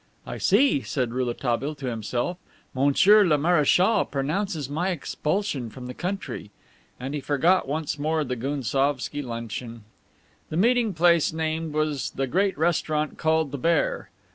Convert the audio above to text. "I see," said Rouletabille to himself; "Monsieur le Marechal pronounces my expulsion from the country" and he forgot once more the Gounsovski luncheon. The meeting place named was the great restaurant called the Bear.